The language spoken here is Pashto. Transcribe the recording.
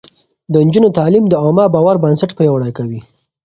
د نجونو تعليم د عامه باور بنسټ پياوړی کوي.